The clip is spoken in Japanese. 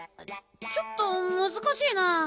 ちょっとむずかしいな。